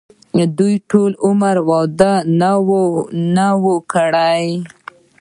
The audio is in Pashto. دوي ټول عمر وادۀ نۀ وو کړے